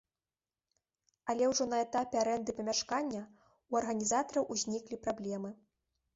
Але ўжо на этапе арэнды памяшкання ў арганізатараў узніклі праблемы.